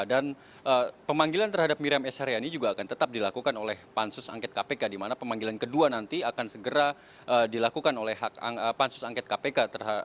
dan pemanggilan terhadap miriam esaryani juga akan tetap dilakukan oleh pansus angket kpk di mana pemanggilan kedua nanti akan segera dilakukan oleh pansus angket kpk